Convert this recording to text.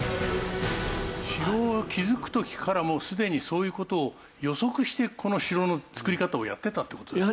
城を築く時からもうすでにそういう事を予測してこの城の造り方をやっていたって事ですね。